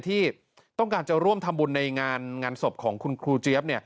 ที่ต้องการจะร่วมทำบุญในงานศพของคุณครูเจี๊ยบ